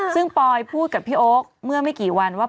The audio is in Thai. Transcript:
ซึ่งปอยพูดกับพี่โอ๊คเมื่อไม่กี่วันว่า